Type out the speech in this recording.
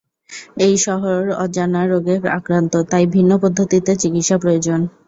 এই শহর অজানা রোগে আক্রান্ত, তাই ভিন্ন পদ্ধতিতে চিকিৎসা প্রয়োজন।